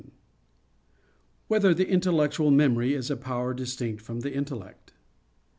7] Whether the Intellectual Memory Is a Power Distinct from the Intellect?